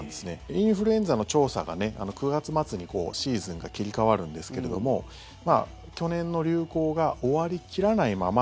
インフルエンザの調査が９月末にシーズンが切り替わるんですけれども去年の流行が終わり切らないまま